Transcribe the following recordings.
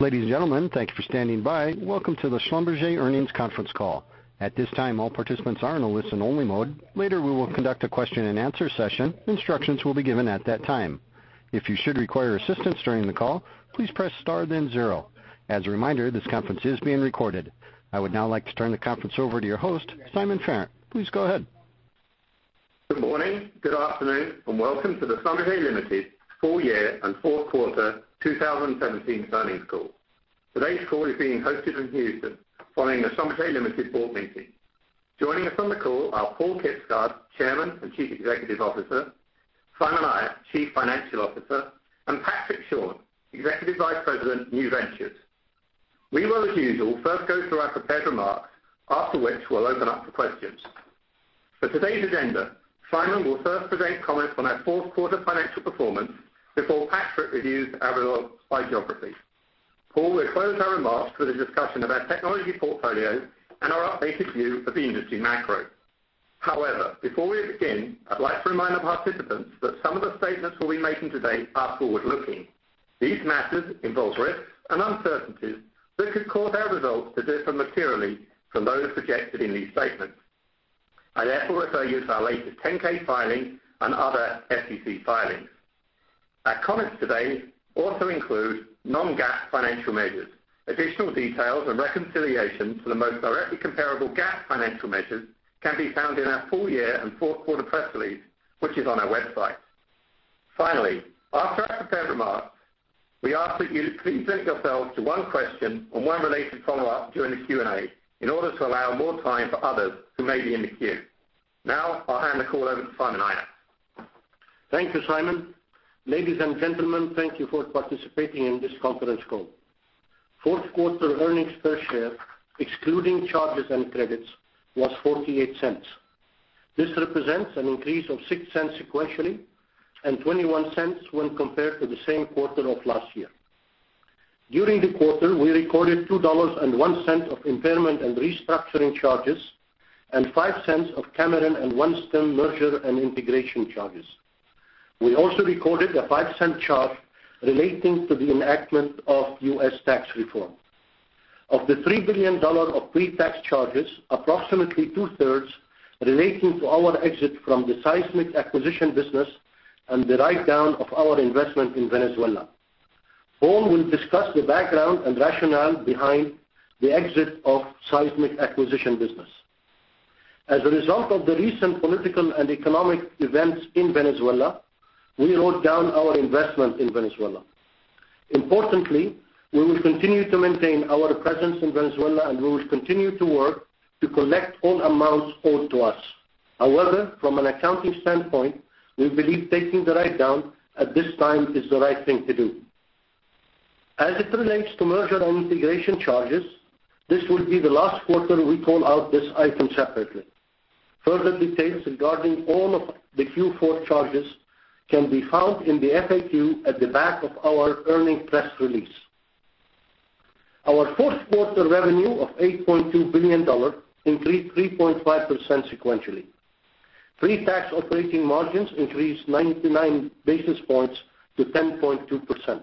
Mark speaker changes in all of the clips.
Speaker 1: Ladies and gentlemen, thank you for standing by. Welcome to the Schlumberger Earnings Conference Call. At this time, all participants are in a listen-only mode. Later, we will conduct a question-and-answer session. Instructions will be given at that time. If you should require assistance during the call, please press star then zero. As a reminder, this conference is being recorded. I would now like to turn the conference over to your host, Simon Farrant. Please go ahead.
Speaker 2: Good morning, good afternoon, and welcome to the Schlumberger Limited full year and fourth quarter 2017 earnings call. Today's call is being hosted in Houston following the Schlumberger Limited board meeting. Joining us on the call are Paal Kibsgaard, Chairman and Chief Executive Officer, Simon Ayat, Chief Financial Officer, and Patrick Schorn, Executive Vice President New Ventures. We will, as usual, first go through our prepared remarks, after which we'll open up for questions. For today's agenda, Simon will first present comments on our fourth quarter financial performance before Patrick reviews our slide geography. Paal will close our remarks with a discussion of our technology portfolio and our updated view of the industry macro. Before we begin, I'd like to remind the participants that some of the statements we'll be making today are forward-looking. These matters involve risks and uncertainties that could cause our results to differ materially from those projected in these statements. I therefore refer you to our latest 10-K filing and other SEC filings. Our comments today also include non-GAAP financial measures. Additional details and reconciliation to the most directly comparable GAAP financial measures can be found in our full year and fourth quarter press release, which is on our website. Finally, after our prepared remarks, we ask that you please limit yourself to one question and one related follow-up during the Q&A in order to allow more time for others who may be in the queue. I'll hand the call over to Simon Ayat.
Speaker 3: Thank you, Simon. Ladies and gentlemen, thank you for participating in this conference call. Fourth quarter earnings per share, excluding charges and credits, was $0.48. This represents an increase of $0.06 sequentially and $0.21 when compared to the same quarter of last year. During the quarter, we recorded $2.01 of impairment and restructuring charges and $0.05 of Cameron and OneSubsea merger and integration charges. We also recorded a $0.05 charge relating to the enactment of U.S. tax reform. Of the $3 billion of pre-tax charges, approximately two-thirds relating to our exit from the seismic acquisition business and the write-down of our investment in Venezuela. Paal will discuss the background and rationale behind the exit of seismic acquisition business. As a result of the recent political and economic events in Venezuela, we wrote down our investment in Venezuela. Importantly, we will continue to maintain our presence in Venezuela. We will continue to work to collect all amounts owed to us. However, from an accounting standpoint, we believe taking the write-down at this time is the right thing to do. As it relates to merger and integration charges, this will be the last quarter we call out this item separately. Further details regarding all of the Q4 charges can be found in the FAQ at the back of our earning press release. Our fourth quarter revenue of $8.2 billion increased 3.5% sequentially. Pre-tax operating margins increased 99 basis points to 10.2%.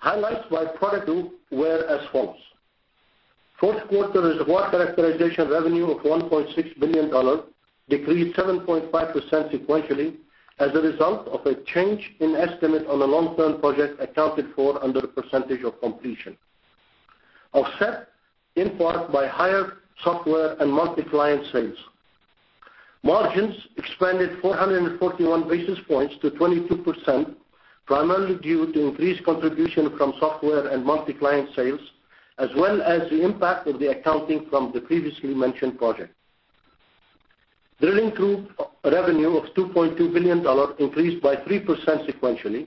Speaker 3: Highlights by product group were as follows. Fourth quarter reservoir characterization revenue of $1.6 billion decreased 7.5% sequentially as a result of a change in estimate on a long-term project accounted for under percentage of completion, offset in part by higher software and multi-client sales. Margins expanded 441 basis points to 22%, primarily due to increased contribution from software and multi-client sales, as well as the impact of the accounting from the previously mentioned project. Drilling group revenue of $2.2 billion increased by 3% sequentially,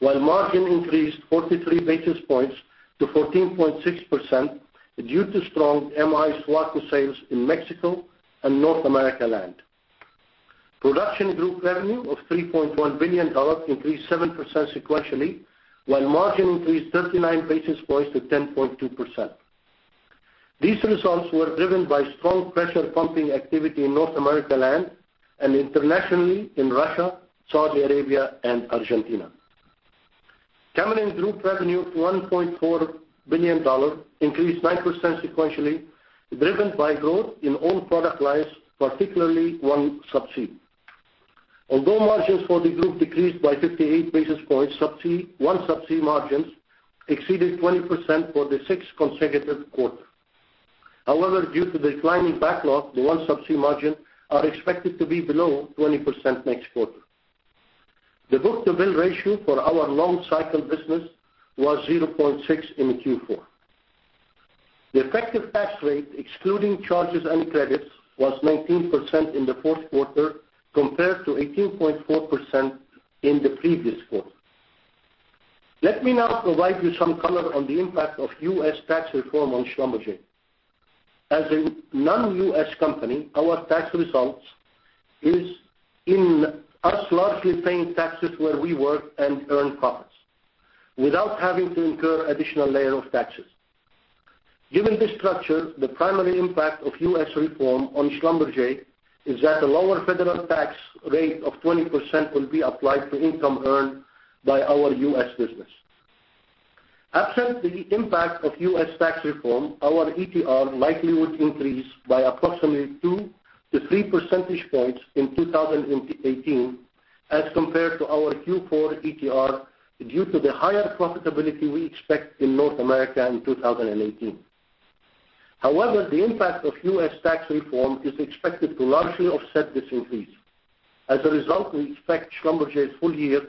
Speaker 3: while margin increased 43 basis points to 14.6% due to strong MI/SLB sales in Mexico and North America land. Production group revenue of $3.1 billion increased 7% sequentially, while margin increased 39 basis points to 10.2%. These results were driven by strong pressure pumping activity in North America land and internationally in Russia, Saudi Arabia, and Argentina. Cameron Group revenue of $1.4 billion increased 9% sequentially, driven by growth in all product lines, particularly OneSubsea. Although margins for the group decreased by 58 basis points, OneSubsea margins exceeded 20% for the sixth consecutive quarter. However, due to declining backlog, the OneSubsea margin are expected to be below 20% next quarter. The book-to-bill ratio for our long cycle business was 0.6 in Q4. The effective tax rate, excluding charges and credits, was 19% in the fourth quarter compared to 18.4% in the previous quarter. Let me now provide you some color on the impact of U.S. tax reform on Schlumberger. As a non-U.S. company, our tax results is in us largely paying taxes where we work and earn profits without having to incur additional layer of taxes. Given this structure, the primary impact of U.S. reform on Schlumberger is that a lower federal tax rate of 20% will be applied to income earned by our U.S. business. Absent the impact of U.S. tax reform, our ETR likely would increase by approximately two to three percentage points in 2018 as compared to our Q4 ETR due to the higher profitability we expect in North America in 2018. However, the impact of U.S. tax reform is expected to largely offset this increase. As a result, we expect Schlumberger's full year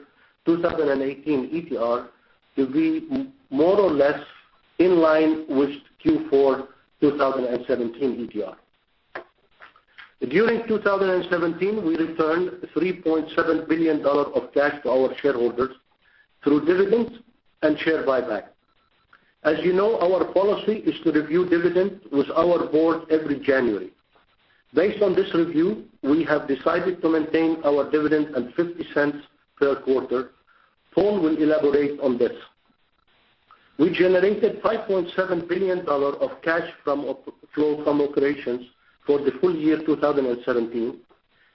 Speaker 3: 2018 ETR to be more or less in line with Q4 2017 ETR. During 2017, we returned $3.7 billion of cash to our shareholders through dividends and share buyback. As you know, our policy is to review dividends with our board every January. Based on this review, we have decided to maintain our dividend at $0.50 per quarter. Paal will elaborate on this. We generated $5.7 billion of cash flow from operations for the full year 2017,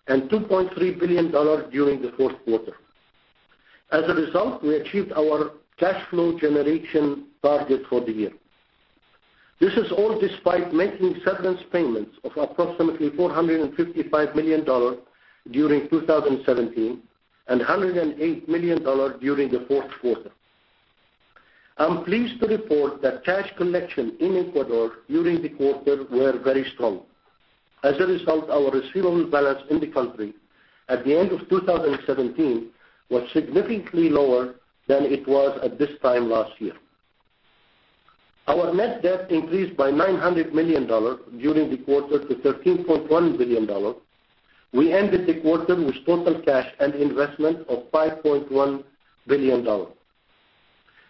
Speaker 3: and $2.3 billion during the fourth quarter. As a result, we achieved our cash flow generation target for the year. This is all despite making severance payments of approximately $455 million during 2017, and $108 million during the fourth quarter. I'm pleased to report that cash collection in Ecuador during the quarter were very strong. Our receivable balance in the country at the end of 2017 was significantly lower than it was at this time last year. Our net debt increased by $900 million during the quarter to $13.1 billion. We ended the quarter with total cash and investment of $5.1 billion.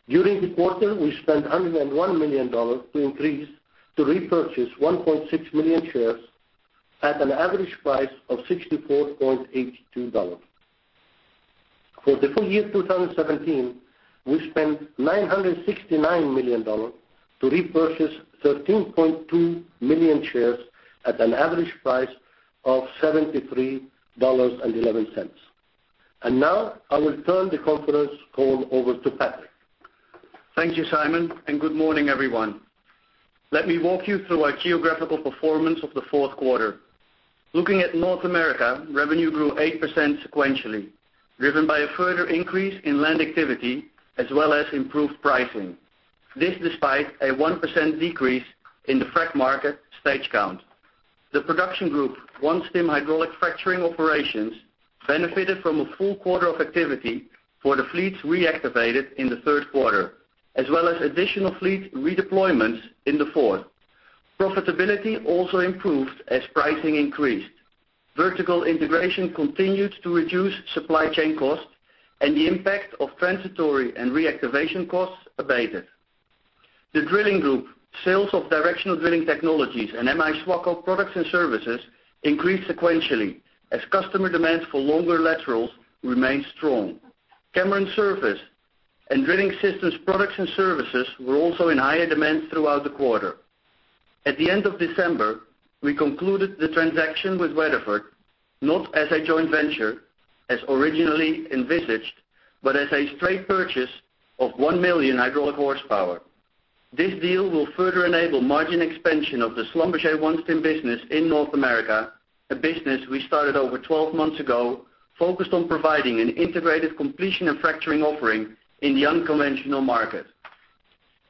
Speaker 3: During the quarter, we spent $101 million to increase to repurchase 1.6 million shares at an average price of $64.82. For the full year 2017, we spent $969 million to repurchase 13.2 million shares at an average price of $73.11. I will turn the conference call over to Patrick.
Speaker 4: Thank you, Simon. Good morning, everyone. Let me walk you through our geographical performance of the fourth quarter. Looking at North America, revenue grew 8% sequentially, driven by a further increase in land activity as well as improved pricing. This despite a 1% decrease in the frack market stage count. The production group, OneStim hydraulic fracturing operations, benefited from a full quarter of activity for the fleets reactivated in the third quarter, as well as additional fleet redeployments in the fourth. Profitability also improved as pricing increased. Vertical integration continued to reduce supply chain costs. The impact of transitory and reactivation costs abated. The drilling group, sales of directional drilling technologies and M-I SWACO products and services increased sequentially as customer demands for longer laterals remained strong. Cameron Surface Systems products and services were also in higher demand throughout the quarter. At the end of December, we concluded the transaction with Weatherford, not as a joint venture as originally envisaged, but as a straight purchase of 1 million hydraulic horsepower. This deal will further enable margin expansion of the Schlumberger OneStim business in North America, a business we started over 12 months ago focused on providing an integrated completion and fracturing offering in the unconventional market.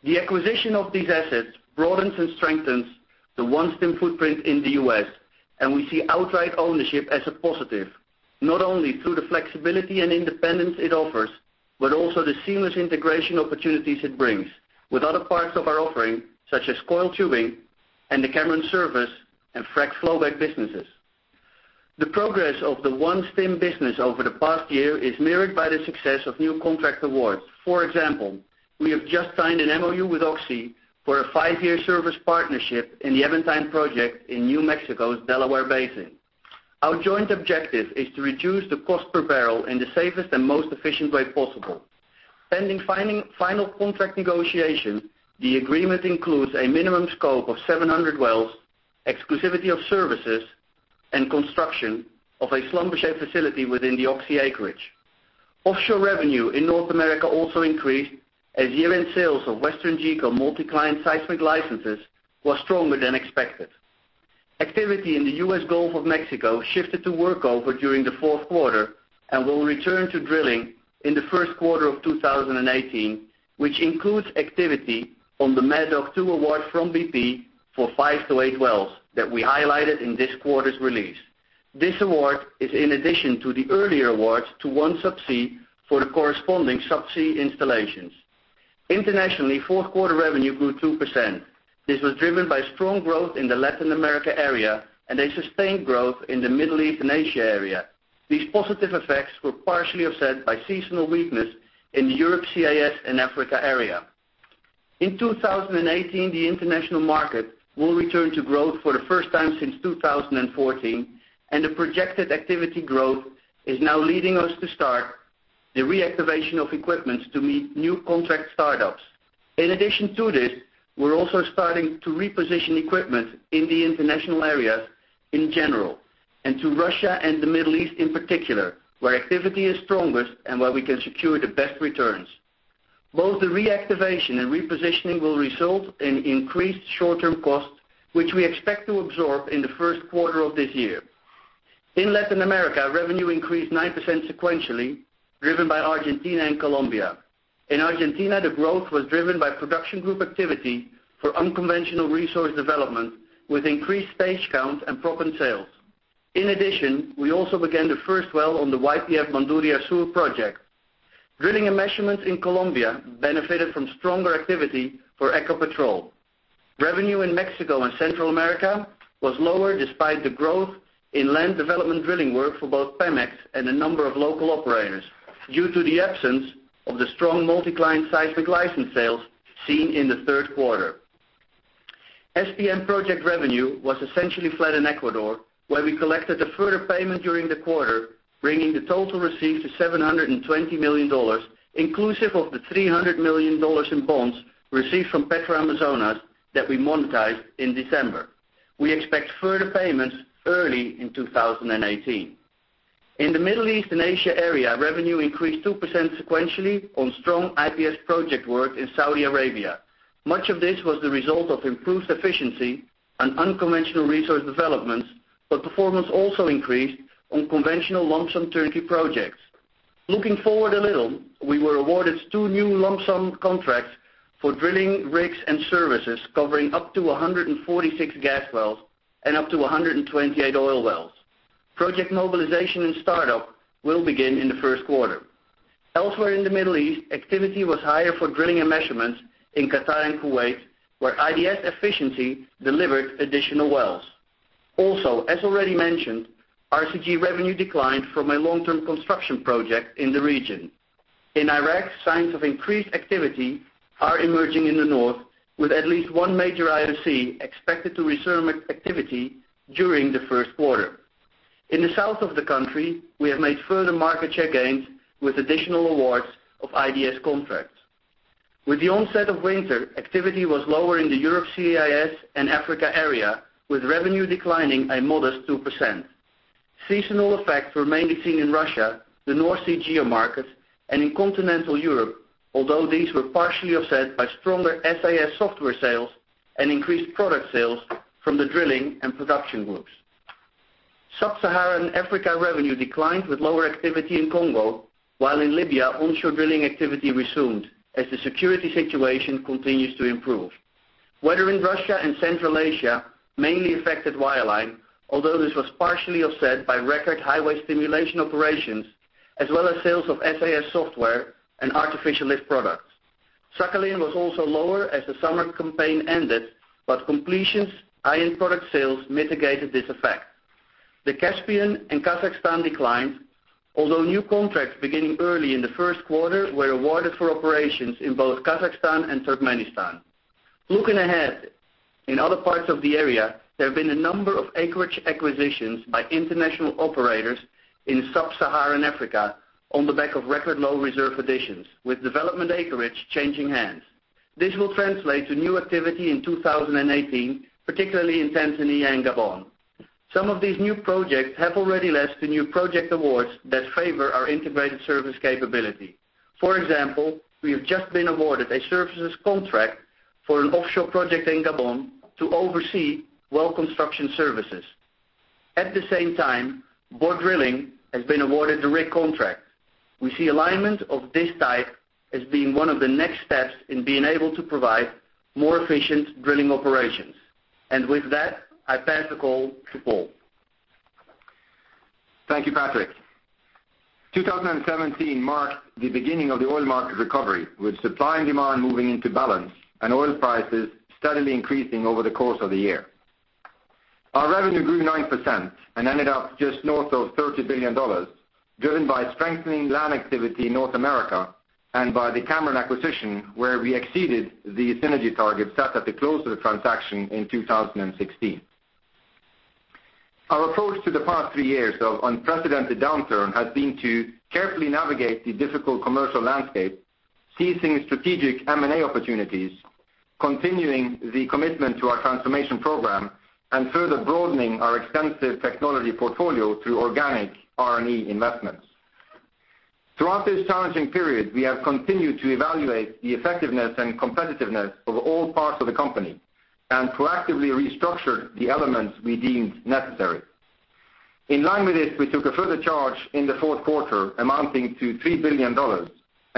Speaker 4: The acquisition of these assets broadens and strengthens the OneStim footprint in the U.S. We see outright ownership as a positive, not only through the flexibility and independence it offers, but also the seamless integration opportunities it brings with other parts of our offering, such as coil tubing and the Cameron Service and Frac Flowback businesses. The progress of the OneStim business over the past year is mirrored by the success of new contract awards. For example, we have just signed an MOU with Oxy for a five-year service partnership in the Aventine project in New Mexico's Delaware Basin. Our joint objective is to reduce the cost per barrel in the safest and most efficient way possible. Pending final contract negotiation, the agreement includes a minimum scope of 700 wells, exclusivity of services, and construction of a Schlumberger facility within the Oxy acreage. Offshore revenue in North America also increased as year-end sales of WesternGeco multi-client seismic licenses was stronger than expected. Activity in the U.S. Gulf of Mexico shifted to workover during the fourth quarter and will return to drilling in the first quarter of 2018, which includes activity on the Mad Dog 2 award from BP for five to eight wells that we highlighted in this quarter's release. This award is in addition to the earlier awards to OneSubsea for the corresponding subsea installations. Internationally, fourth quarter revenue grew 2%. This was driven by strong growth in the Latin America area and a sustained growth in the Middle East and Asia area. These positive effects were partially offset by seasonal weakness in the Europe, CIS, and Africa area. In 2018, the international market will return to growth for the first time since 2014, and the projected activity growth is now leading us to start the reactivation of equipment to meet new contract startups. In addition to this, we're also starting to reposition equipment in the international areas in general, and to Russia and the Middle East in particular, where activity is strongest and where we can secure the best returns. Both the reactivation and repositioning will result in increased short-term costs, which we expect to absorb in the first quarter of this year. In Latin America, revenue increased 9% sequentially, driven by Argentina and Colombia. In Argentina, the growth was driven by production group activity for unconventional resource development, with increased stage count and proppant sales. In addition, we also began the first well on the YPF Manduria Sur project. Drilling & Measurements in Colombia benefited from stronger activity for Ecopetrol. Revenue in Mexico and Central America was lower despite the growth in land development drilling work for both Pemex and a number of local operators due to the absence of the strong multiclient seismic license sales seen in the third quarter. SPM project revenue was essentially flat in Ecuador, where we collected a further payment during the quarter, bringing the total received to $720 million, inclusive of the $300 million in bonds received from Petroamazonas that we monetized in December. We expect further payments early in 2018. In the Middle East and Asia area, revenue increased 2% sequentially on strong IBS project work in Saudi Arabia. Much of this was the result of improved efficiency and unconventional resource developments, but performance also increased on conventional lump sum turnkey projects. Looking forward a little, we were awarded two new lump sum contracts for drilling rigs and services covering up to 146 gas wells and up to 128 oil wells. Project mobilization and startup will begin in the first quarter. Elsewhere in the Middle East, activity was higher for drilling and measurements in Qatar and Kuwait, where IBS efficiency delivered additional wells. As already mentioned, RCG revenue declined from a long-term construction project in the region. In Iraq, signs of increased activity are emerging in the north, with at least one major IOC expected to resume activity during the first quarter. In the south of the country, we have made further market share gains with additional awards of IBS contracts. With the onset of winter, activity was lower in the Europe, CIS, and Africa area, with revenue declining a modest 2%. Seasonal effects were mainly seen in Russia, the North Sea geo market, and in continental Europe, although these were partially offset by stronger SAS software sales and increased product sales from the drilling and production groups. Sub-Saharan Africa revenue declined with lower activity in Congo, while in Libya, onshore drilling activity resumed as the security situation continues to improve. Weather in Russia and Central Asia mainly affected wireline, although this was partially offset by record HiWAY stimulation operations, as well as sales of SAS software and artificial lift products. Sakhalin was also lower as the summer campaign ended, but completions iron product sales mitigated this effect. The Caspian and Kazakhstan declined, although new contracts beginning early in the first quarter were awarded for operations in both Kazakhstan and Turkmenistan. Looking ahead, in other parts of the area, there have been a number of acreage acquisitions by international operators in sub-Saharan Africa on the back of record low reserve additions, with development acreage changing hands. This will translate to new activity in 2018, particularly in Tanzania and Gabon. Some of these new projects have already led to new project awards that favor our integrated service capability. For example, we have just been awarded a services contract for an offshore project in Gabon to oversee well construction services. At the same time, Borr Drilling has been awarded the rig contract. We see alignment of this type as being one of the next steps in being able to provide more efficient drilling operations. With that, I pass the call to Paal.
Speaker 5: Thank you, Patrick. 2017 marked the beginning of the oil market recovery, with supply and demand moving into balance and oil prices steadily increasing over the course of the year. Our revenue grew 9% and ended up just north of $30 billion, driven by strengthening land activity in North America, and by the Cameron acquisition, where we exceeded the synergy target set at the close of the transaction in 2016. Our approach to the past three years of unprecedented downturn has been to carefully navigate the difficult commercial landscape, seizing strategic M&A opportunities, continuing the commitment to our transformation program, and further broadening our extensive technology portfolio through organic R&E investments. Throughout this challenging period, we have continued to evaluate the effectiveness and competitiveness of all parts of the company and proactively restructured the elements we deemed necessary. In line with this, we took a further charge in the fourth quarter amounting to $3 billion.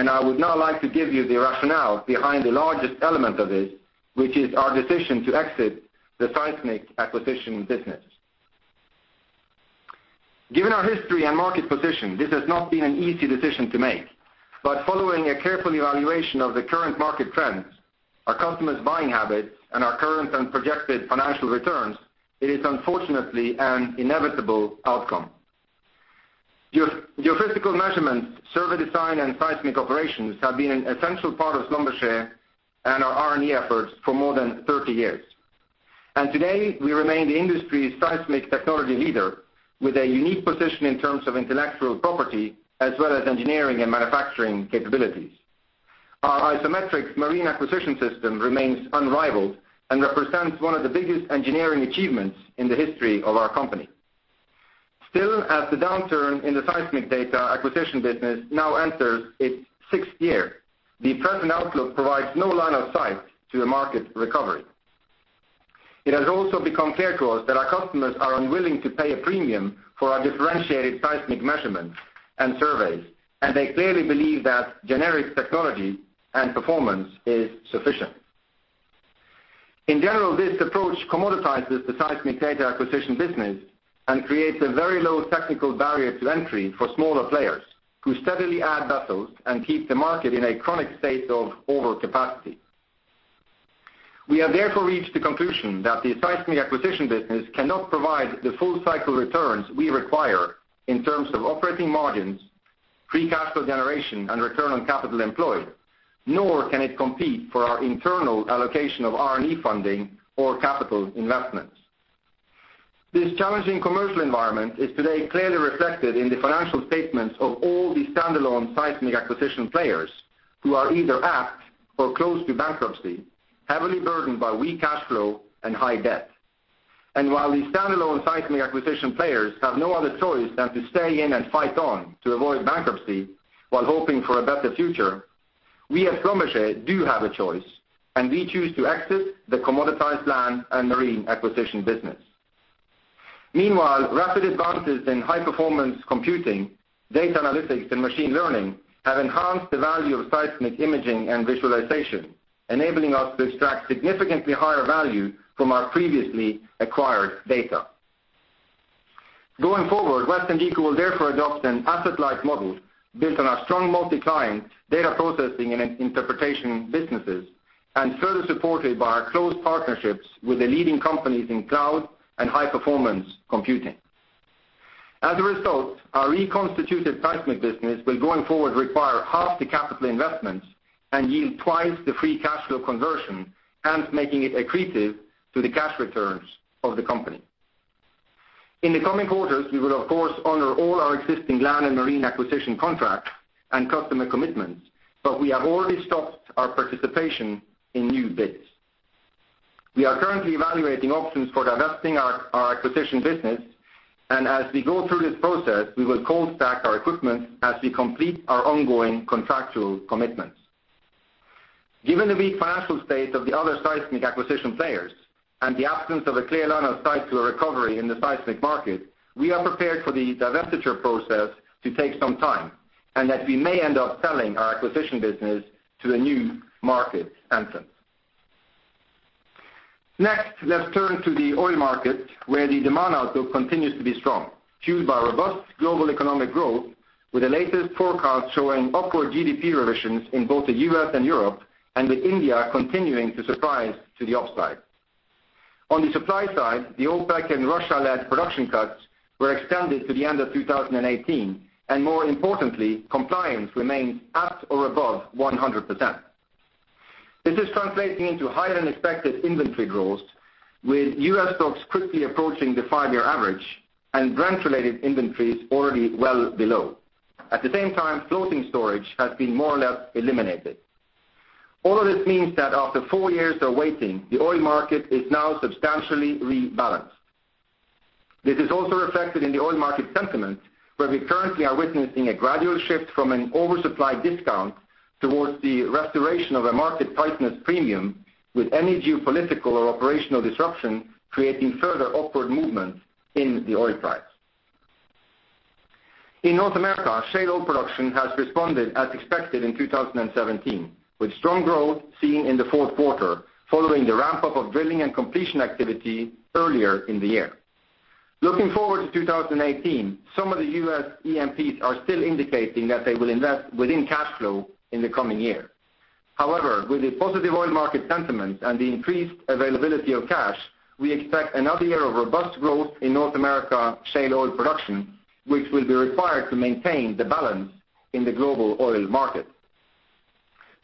Speaker 5: I would now like to give you the rationale behind the largest element of this, which is our decision to exit the seismic acquisition business. Given our history and market position, this has not been an easy decision to make. Following a careful evaluation of the current market trends, our customers' buying habits, and our current and projected financial returns, it is unfortunately an inevitable outcome. Geophysical measurements, survey design, and seismic operations have been an essential part of Schlumberger and our R&E efforts for more than 30 years. Today, we remain the industry's seismic technology leader with a unique position in terms of intellectual property, as well as engineering and manufacturing capabilities. Our IsoMetrix marine acquisition system remains unrivaled and represents one of the biggest engineering achievements in the history of our company. Still, as the downturn in the seismic data acquisition business now enters its sixth year, the present outlook provides no line of sight to a market recovery. It has also become clear to us that our customers are unwilling to pay a premium for our differentiated seismic measurements and surveys, and they clearly believe that generic technology and performance is sufficient. In general, this approach commoditizes the seismic data acquisition business and creates a very low technical barrier to entry for smaller players who steadily add vessels and keep the market in a chronic state of overcapacity. We have therefore reached the conclusion that the seismic acquisition business cannot provide the full cycle returns we require in terms of operating margins, free cash flow generation, and return on capital employed, nor can it compete for our internal allocation of R&E funding or capital investments. This challenging commercial environment is today clearly reflected in the financial statements of all the standalone seismic acquisition players who are either at or close to bankruptcy, heavily burdened by weak cash flow and high debt. While the standalone seismic acquisition players have no other choice than to stay in and fight on to avoid bankruptcy while hoping for a better future, we at Schlumberger do have a choice, and we choose to exit the commoditized land and marine acquisition business. Meanwhile, rapid advances in high-performance computing, data analytics, and machine learning have enhanced the value of seismic imaging and visualization, enabling us to extract significantly higher value from our previously acquired data. Going forward, WesternGeco will therefore adopt an asset-light model built on our strong multi-client data processing and interpretation businesses, and further supported by our close partnerships with the leading companies in cloud and high-performance computing. As a result, our reconstituted seismic business will, going forward, require half the capital investments and yield twice the free cash flow conversion, hence making it accretive to the cash returns of the company. In the coming quarters, we will, of course, honor all our existing land and marine acquisition contracts and customer commitments, we have already stopped our participation in new bids. We are currently evaluating options for divesting our acquisition business, as we go through this process, we will cold stack our equipment as we complete our ongoing contractual commitments. Given the weak financial state of the other seismic acquisition players and the absence of a clear line of sight to a recovery in the seismic market, we are prepared for the divestiture process to take some time, that we may end up selling our acquisition business to a new market entrant. Next, let's turn to the oil market, where the demand outlook continues to be strong, fueled by robust global economic growth, with the latest forecast showing upward GDP revisions in both the U.S. and Europe, with India continuing to surprise to the upside. On the supply side, the OPEC and Russia-led production cuts were extended to the end of 2018, and more importantly, compliance remains at or above 100%. This is translating into higher-than-expected inventory growth, with U.S. stocks quickly approaching the five-year average and Brent-related inventories already well below. At the same time, floating storage has been more or less eliminated. All of this means that after four years of waiting, the oil market is now substantially rebalanced. This is also reflected in the oil market sentiment, where we currently are witnessing a gradual shift from an oversupply discount towards the restoration of a market tightness premium, with any geopolitical or operational disruption creating further upward movement in the oil price. In North America, shale oil production has responded as expected in 2017, with strong growth seen in the fourth quarter following the ramp-up of drilling and completion activity earlier in the year. Looking forward to 2018, some of the U.S. E&Ps are still indicating that they will invest within cash flow in the coming year. However, with the positive oil market sentiment and the increased availability of cash, we expect another year of robust growth in North America shale oil production, which will be required to maintain the balance in the global oil market.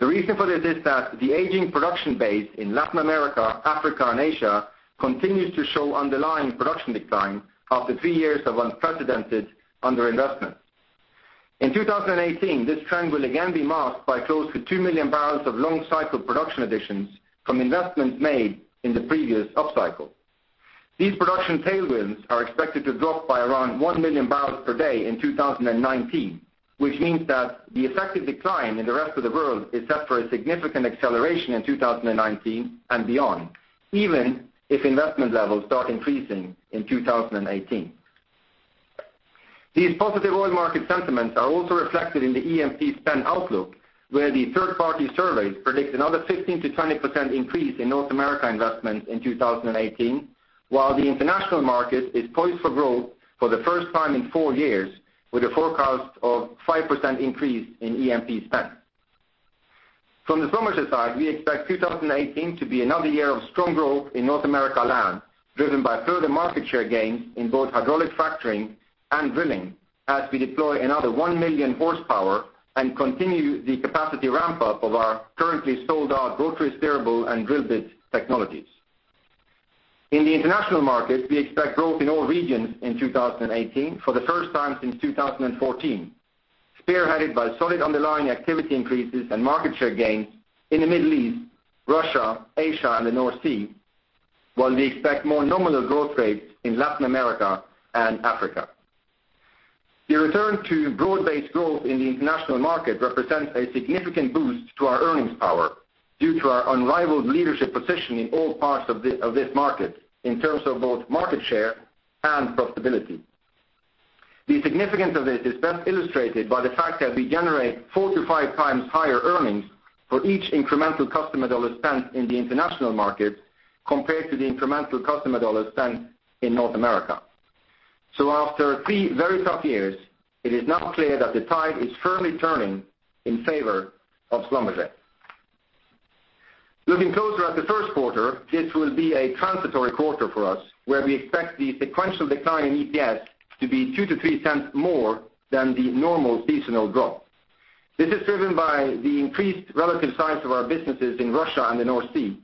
Speaker 5: The reason for this is that the aging production base in Latin America, Africa, and Asia continues to show underlying production decline after three years of unprecedented underinvestment. In 2018, this trend will again be masked by close to two million barrels of long-cycle production additions from investments made in the previous upcycle. These production tailwinds are expected to drop by around one million barrels per day in 2019, which means that the effective decline in the rest of the world is set for a significant acceleration in 2019 and beyond, even if investment levels start increasing in 2018. These positive oil market sentiments are also reflected in the E&P spend outlook, where the third-party surveys predict another 15%-20% increase in North America investment in 2018, while the international market is poised for growth for the first time in four years, with a forecast of 5% increase in E&P spend. From the Schlumberger side, we expect 2018 to be another year of strong growth in North America land Driven by further market share gains in both hydraulic fracturing and drilling as we deploy another one million horsepower and continue the capacity ramp-up of our currently sold-out rotary steerable and drill bit technologies. In the international market, we expect growth in all regions in 2018 for the first time since 2014, spearheaded by solid underlying activity increases and market share gains in the Middle East, Russia, Asia, and the North Sea, while we expect more nominal growth rates in Latin America and Africa. The return to broad-based growth in the international market represents a significant boost to our earnings power due to our unrivaled leadership position in all parts of this market in terms of both market share and profitability. The significance of this is best illustrated by the fact that we generate four to five times higher earnings for each incremental customer dollar spent in the international market compared to the incremental customer dollar spent in North America. After three very tough years, it is now clear that the tide is firmly turning in favor of Schlumberger. Looking closer at the first quarter, this will be a transitory quarter for us, where we expect the sequential decline in EPS to be $0.02-$0.03 more than the normal seasonal drop. This is driven by the increased relative size of our businesses in Russia and the North Sea,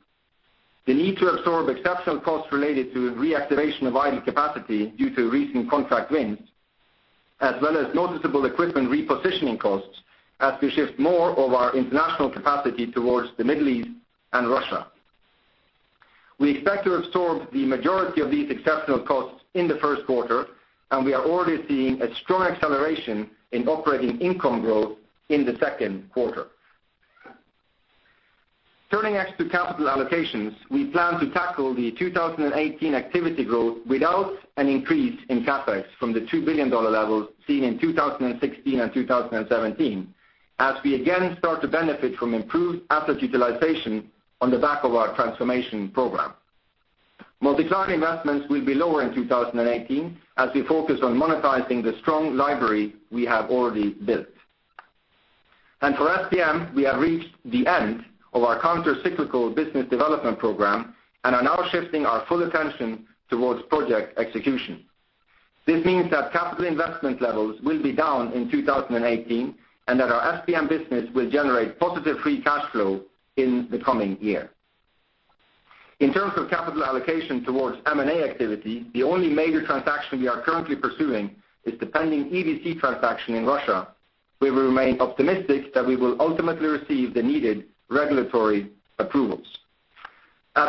Speaker 5: the need to absorb exceptional costs related to reactivation of idled capacity due to recent contract wins, as well as noticeable equipment repositioning costs as we shift more of our international capacity towards the Middle East and Russia. We expect to absorb the majority of these exceptional costs in the first quarter, we are already seeing a strong acceleration in operating income growth in the second quarter. Turning next to capital allocations, we plan to tackle the 2018 activity growth without an increase in CapEx from the $2 billion levels seen in 2016 and 2017, as we again start to benefit from improved asset utilization on the back of our transformation program. Multi-client investments will be lower in 2018 as we focus on monetizing the strong library we have already built. For SPM, we have reached the end of our countercyclical business development program and are now shifting our full attention towards project execution. This means that capital investment levels will be down in 2018 and that our SPM business will generate positive free cash flow in the coming year. In terms of capital allocation towards M&A activity, the only major transaction we are currently pursuing is the pending EDC transaction in Russia. We will remain optimistic that we will ultimately receive the needed regulatory approvals.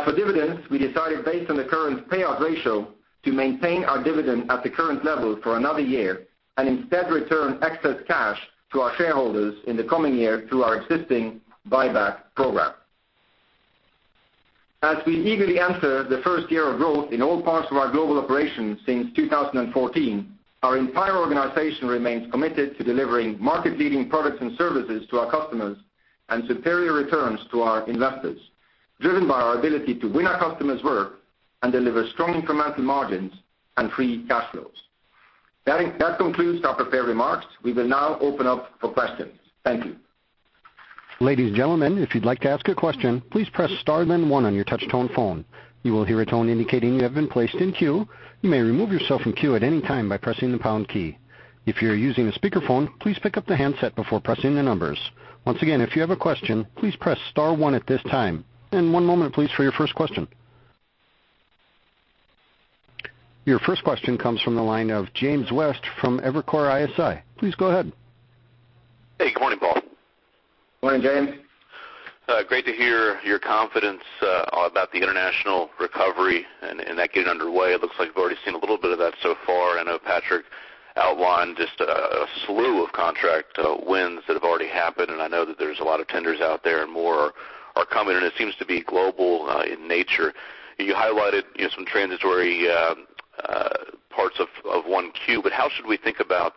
Speaker 5: For dividends, we decided based on the current payout ratio to maintain our dividend at the current level for another year and instead return excess cash to our shareholders in the coming year through our existing buyback program. As we eagerly enter the first year of growth in all parts of our global operations since 2014, our entire organization remains committed to delivering market-leading products and services to our customers and superior returns to our investors, driven by our ability to win our customers' work and deliver strong incremental margins and free cash flows. That concludes our prepared remarks. We will now open up for questions. Thank you.
Speaker 1: Ladies and gentlemen, if you'd like to ask a question, please press star then one on your touch-tone phone. You will hear a tone indicating you have been placed in queue. You may remove yourself from queue at any time by pressing the pound key. If you are using a speakerphone, please pick up the handset before pressing the numbers. Once again, if you have a question, please press star one at this time. One moment please for your first question. Your first question comes from the line of James West from Evercore ISI. Please go ahead.
Speaker 6: Hey, good morning, Paal.
Speaker 5: Morning, James.
Speaker 6: Great to hear your confidence about the international recovery and that getting underway. It looks like we've already seen a little bit of that so far. I know Patrick outlined just a slew of contract wins that have already happened. I know that there's a lot of tenders out there and more are coming. It seems to be global in nature. You highlighted some transitory parts of Q1. How should we think about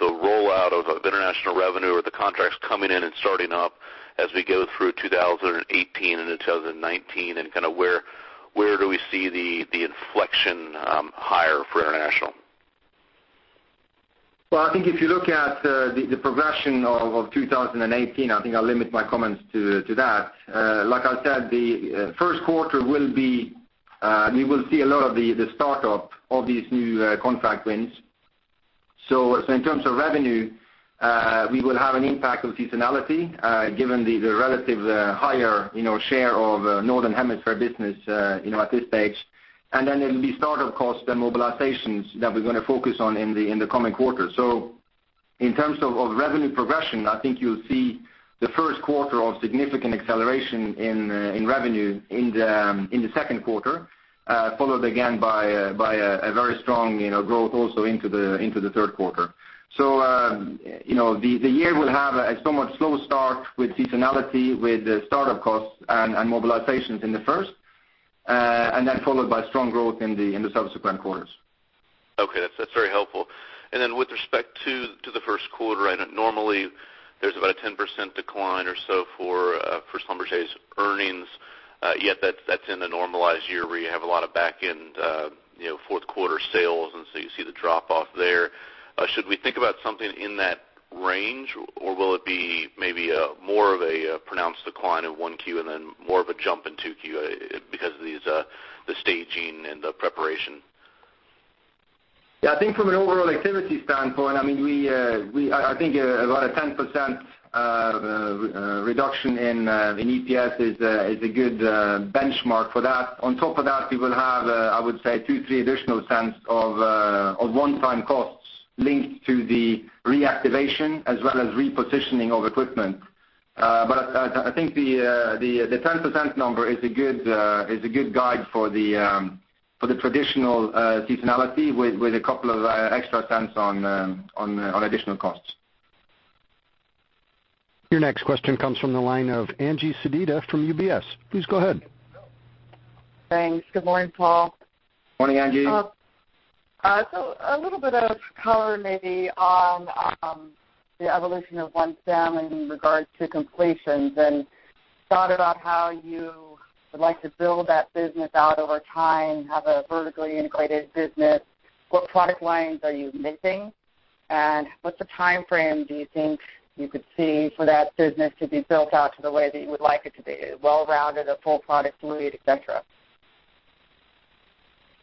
Speaker 6: the rollout of international revenue or the contracts coming in and starting up as we go through 2018 and 2019? Where do we see the inflection higher for international?
Speaker 5: Well, I think if you look at the progression of 2018, I think I'll limit my comments to that. Like I said, the first quarter, you will see a lot of the startup of these new contract wins. In terms of revenue, we will have an impact of seasonality, given the relative higher share of Northern Hemisphere business at this stage. Then it will be startup costs and mobilizations that we're going to focus on in the coming quarters. In terms of revenue progression, I think you'll see the first quarter of significant acceleration in revenue in the second quarter, followed again by a very strong growth also into the third quarter. The year will have a somewhat slow start with seasonality, with startup costs, and mobilizations in the first, then followed by strong growth in the subsequent quarters.
Speaker 6: Okay. That's very helpful. With respect to the first quarter, I know normally there is about a 10% decline or so for Schlumberger's earnings. That's in a normalized year where you have a lot of back end fourth quarter sales. You see the drop off there. Should we think about something in that range, or will it be maybe a more of a pronounced decline in 1Q and then more of a jump in 2Q because of the staging and the preparation?
Speaker 5: Yeah. I think from an overall activity standpoint, I think a lot of 10% reduction in EPS is a good benchmark for that. On top of that, we will have, I would say, $0.02-$0.03 additional one-time costs linked to the reactivation as well as repositioning of equipment. I think the 10% number is a good guide for the traditional seasonality, with a couple of extra $0.02 on additional costs.
Speaker 1: Your next question comes from the line of Angeline Sedita from UBS. Please go ahead.
Speaker 7: Thanks. Good morning, Paal.
Speaker 5: Morning, Angie.
Speaker 7: A little bit of color maybe on the evolution of OneStim in regards to completions and thought about how you would like to build that business out over time, have a vertically integrated business. What product lines are you missing? What's the timeframe do you think you could see for that business to be built out to the way that you would like it to be, well-rounded, a full product suite, et cetera?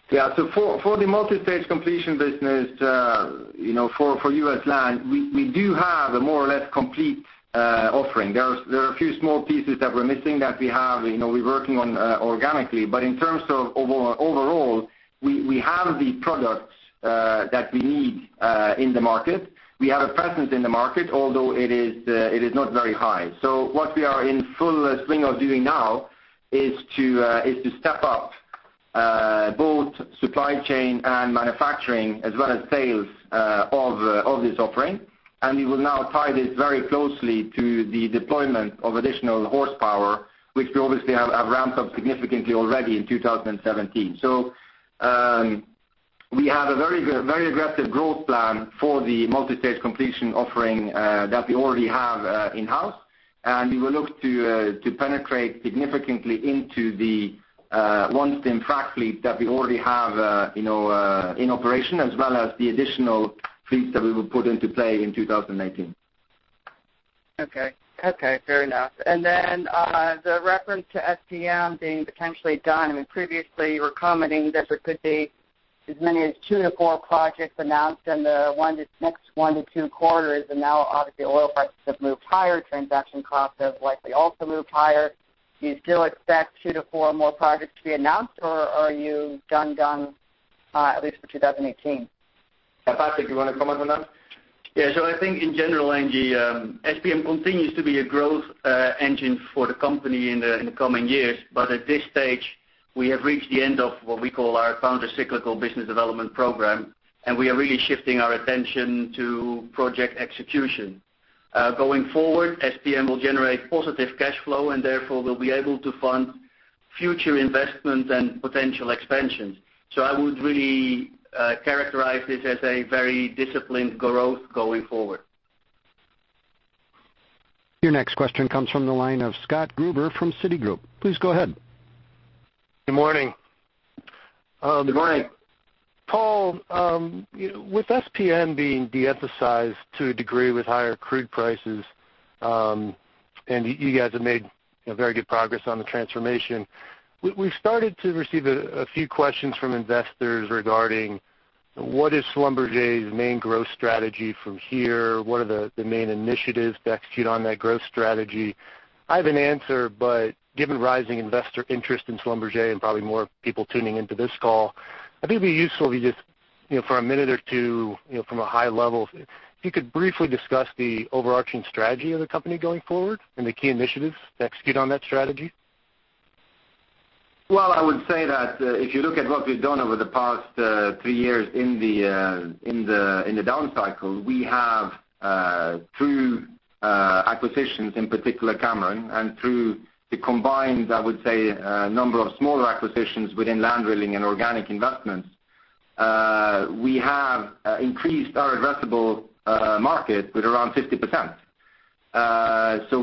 Speaker 5: Yeah. For the multi-stage completion business, for U.S. land, we do have a more or less complete offering. There are a few small pieces that we're missing that we're working on organically. In terms of overall, we have the products that we need in the market. We have a presence in the market, although it is not very high. What we are in full swing of doing now is to step up both supply chain and manufacturing as well as sales of this offering. We will now tie this very closely to the deployment of additional horsepower, which we obviously have ramped up significantly already in 2017. We have a very aggressive growth plan for the multi-stage completion offering that we already have in-house. We will look to penetrate significantly into the OneStim frac fleet that we already have in operation, as well as the additional fleets that we will put into play in 2019.
Speaker 7: Okay. Fair enough. The reference to SPM being potentially done, previously you were commenting that there could be as many as two to four projects announced in the next one to two quarters, now obviously oil prices have moved higher, transaction costs have likely also moved higher. Do you still expect two to four more projects to be announced, or are you done, at least for 2018?
Speaker 5: Patrick, you want to comment on that?
Speaker 4: Yeah. I think in general, Angie, SPM continues to be a growth engine for the company in the coming years. At this stage, we have reached the end of what we call our countercyclical business development program. We are really shifting our attention to project execution. Going forward, SPM will generate positive cash flow. Therefore we'll be able to fund future investments and potential expansions. I would really characterize this as a very disciplined growth going forward.
Speaker 1: Your next question comes from the line of Scott Gruber from Citigroup. Please go ahead.
Speaker 8: Good morning.
Speaker 5: Good morning.
Speaker 8: Paul, with SPM being de-emphasized to a degree with higher crude prices, you guys have made very good progress on the transformation. We've started to receive a few questions from investors regarding what is Schlumberger's main growth strategy from here? What are the main initiatives to execute on that growth strategy? I have an answer, given rising investor interest in Schlumberger and probably more people tuning into this call, I think it'd be useful if you just for a minute or two, from a high level, if you could briefly discuss the overarching strategy of the company going forward and the key initiatives to execute on that strategy.
Speaker 5: Well, I would say that if you look at what we've done over the past three years in the down cycle, we have through acquisitions, in particular Cameron, through the combined, I would say, number of smaller acquisitions within land drilling and organic investments, we have increased our addressable market with around 50%.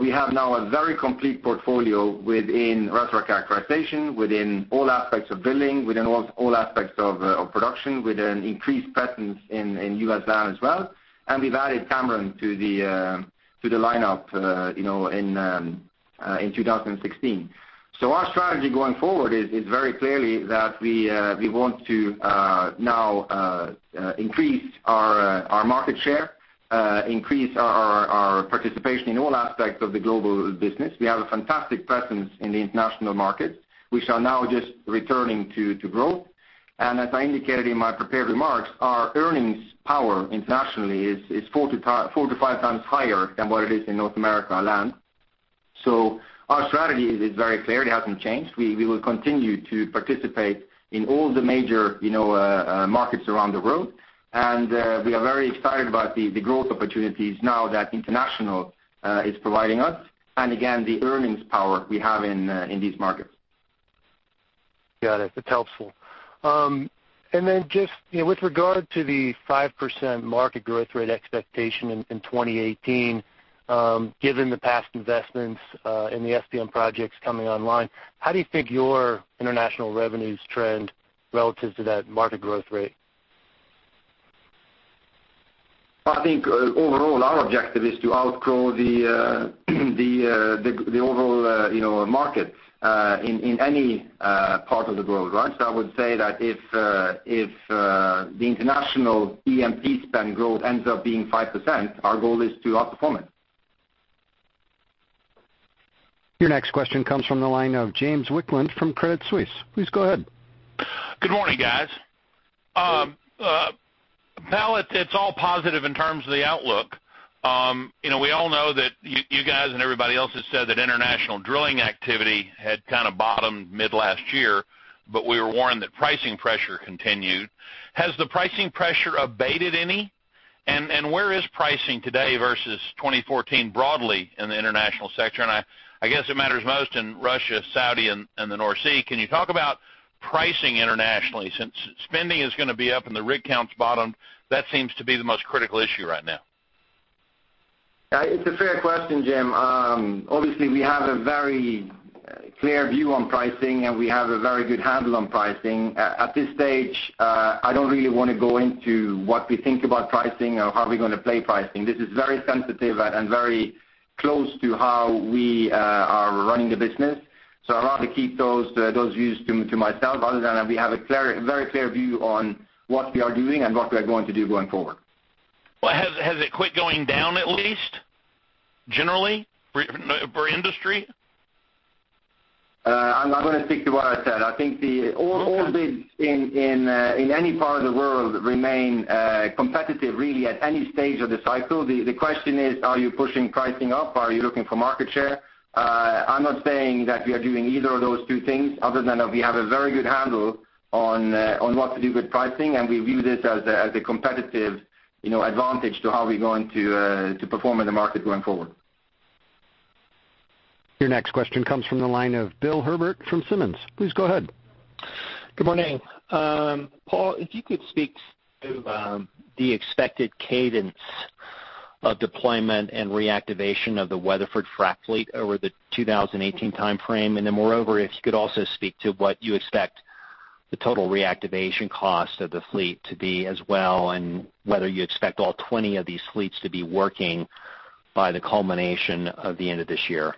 Speaker 5: We have now a very complete portfolio within reservoir characterization, within all aspects of drilling, within all aspects of production, with an increased presence in U.S. land as well. We've added Cameron to the lineup in 2016. Our strategy going forward is very clearly that we want to now increase our market share, increase our participation in all aspects of the global business. We have a fantastic presence in the international markets, which are now just returning to growth. As I indicated in my prepared remarks, our earnings power internationally is four to five times higher than what it is in North America land. Our strategy is very clear. It hasn't changed. We will continue to participate in all the major markets around the world. We are very excited about the growth opportunities now that international is providing us, and again, the earnings power we have in these markets.
Speaker 8: Got it. That's helpful. Just with regard to the 5% market growth rate expectation in 2018, given the past investments in the SPM projects coming online, how do you think your international revenues trend relative to that market growth rate?
Speaker 5: I think overall our objective is to outgrow the overall market in any part of the world, right? I would say that if the international E&P spend growth ends up being 5%, our goal is to outperform it.
Speaker 1: Your next question comes from the line of James Wicklund from Credit Suisse. Please go ahead.
Speaker 9: Good morning, guys.
Speaker 5: Good morning.
Speaker 9: Paal, it's all positive in terms of the outlook. We all know that you guys and everybody else has said that international drilling activity had kind of bottomed mid-last year, but we were warned that pricing pressure continued. Where is pricing today versus 2014 broadly in the international sector? I guess it matters most in Russia, Saudi, and the North Sea. Can you talk about pricing internationally since spending is going to be up and the rig count's bottomed, that seems to be the most critical issue right now.
Speaker 5: It's a fair question, Jim. Obviously, we have a very clear view on pricing, and we have a very good handle on pricing. At this stage, I don't really want to go into what we think about pricing or how we're going to play pricing. This is very sensitive and very close to how we are running the business. I'd rather keep those views to myself, other than that we have a very clear view on what we are doing and what we are going to do going forward.
Speaker 9: Well, has it quit going down at least, generally for industry?
Speaker 5: I'm going to stick to what I said. I think all bids in any part of the world remain competitive, really at any stage of the cycle. The question is, are you pushing pricing up? Are you looking for market share? I'm not saying that we are doing either of those two things other than that we have a very good handle on what to do with pricing, and we view this as a competitive advantage to how we're going to perform in the market going forward.
Speaker 1: Your next question comes from the line of Bill Herbert from Simmons. Please go ahead.
Speaker 10: Good morning. Paal, if you could speak to the expected cadence of deployment and reactivation of the Weatherford frac fleet over the 2018 timeframe. Moreover, if you could also speak to what you expect the total reactivation cost of the fleet to be as well, and whether you expect all 20 of these fleets to be working by the culmination of the end of this year.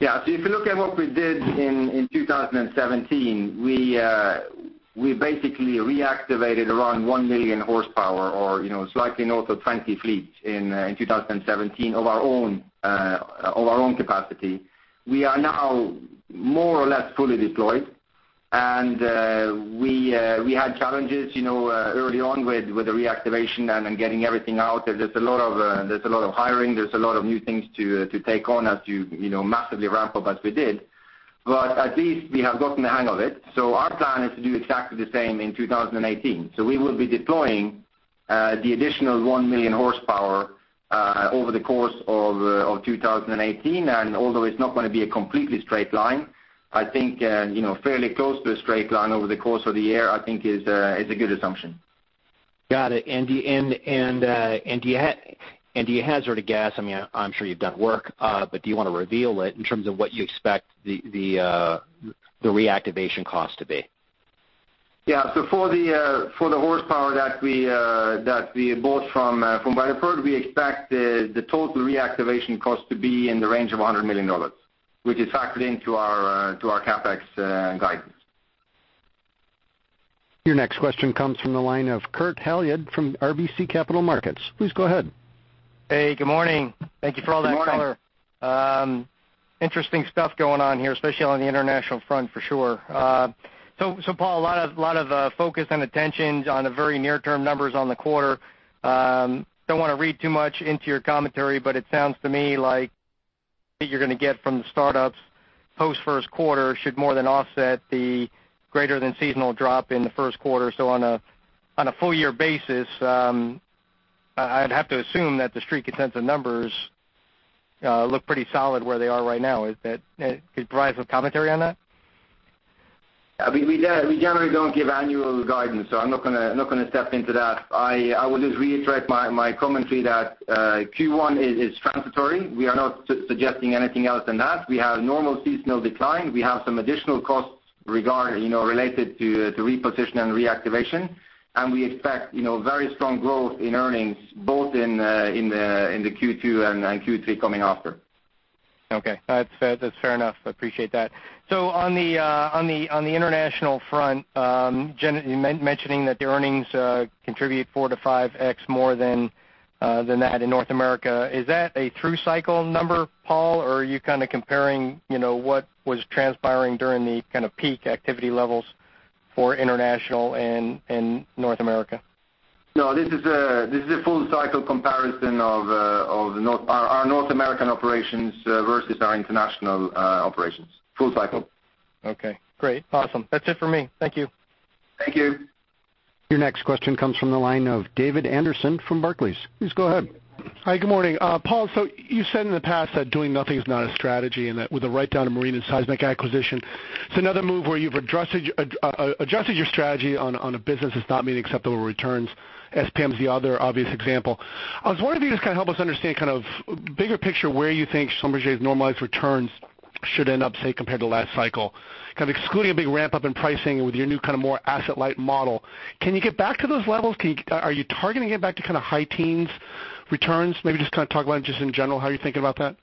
Speaker 5: Yeah. If you look at what we did in 2017, we basically reactivated around one million horsepower, or slightly north of 20 fleets in 2017 of our own capacity. We are now more or less fully deployed. We had challenges early on with the reactivation and in getting everything out. There's a lot of hiring, there's a lot of new things to take on as you massively ramp up as we did. At least we have gotten the hang of it. Our plan is to do exactly the same in 2018. Although it's not going to be a completely straight line, I think fairly close to a straight line over the course of the year, I think is a good assumption.
Speaker 10: Got it. Do you hazard a guess, I'm sure you've done work, but do you want to reveal it in terms of what you expect the reactivation cost to be?
Speaker 5: Yeah. For the horsepower that we bought from Weatherford, we expect the total reactivation cost to be in the range of $100 million, which is factored into our CapEx guidance.
Speaker 1: Your next question comes from the line of Kurt Hallead from RBC Capital Markets. Please go ahead.
Speaker 11: Hey, good morning. Thank you for all that color.
Speaker 5: Good morning.
Speaker 11: Interesting stuff going on here, especially on the international front for sure. Paal, a lot of focus and attention on the very near-term numbers on the quarter. Don't want to read too much into your commentary, but it sounds to me like what you're going to get from the startups post first quarter should more than offset the greater than seasonal drop in the first quarter. On a full year basis, I'd have to assume that the Street consensus numbers look pretty solid where they are right now. Could you provide some commentary on that?
Speaker 5: We generally don't give annual guidance, so I'm not going to step into that. I will just reiterate my commentary that Q1 is transitory. We are not suggesting anything else than that. We have normal seasonal decline. We have some additional costs related to reposition and reactivation. We expect very strong growth in earnings both in the Q2 and Q3 coming after.
Speaker 11: Okay. That's fair enough. I appreciate that. On the international front, mentioning that the earnings contribute four to 5X more than that in North America. Is that a true cycle number, Paal? Or are you kind of comparing what was transpiring during the kind of peak activity levels for international and North America?
Speaker 5: No, this is a full cycle comparison of our North American operations versus our international operations. Full cycle.
Speaker 11: Okay, great. Awesome. That's it for me. Thank you.
Speaker 5: Thank you.
Speaker 1: Your next question comes from the line of David Anderson from Barclays. Please go ahead.
Speaker 12: Hi, good morning. Paal, you said in the past that doing nothing is not a strategy, and that with the write-down of marine and seismic acquisition, it's another move where you've adjusted your strategy on a business that's not meeting acceptable returns. SPM is the other obvious example. I was wondering if you could just help us understand kind of bigger picture where you think Schlumberger's normalized returns should end up, say, compared to last cycle, kind of excluding a big ramp-up in pricing with your new more asset-light model. Can you get back to those levels? Are you targeting it back to kind of high teens returns? Just talk about it just in general, how you're thinking about that.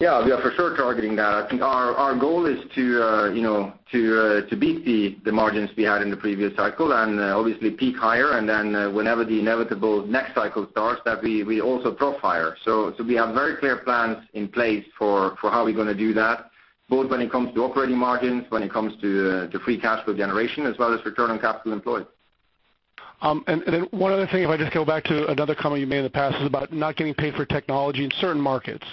Speaker 5: We are for sure targeting that. I think our goal is to beat the margins we had in the previous cycle and obviously peak higher and then whenever the inevitable next cycle starts, that we also drop higher. We have very clear plans in place for how we're going to do that, both when it comes to operating margins, when it comes to free cash flow generation, as well as return on capital employed.
Speaker 12: One other thing, if I just go back to another comment you made in the past is about not getting paid for technology in certain markets,